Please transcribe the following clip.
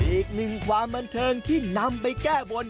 อีกหนึ่งความบันเทิงที่นำไปแก้บน